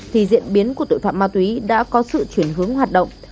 thì diễn biến của tội phạm ma túy đã có sự chuyển hướng hoạt động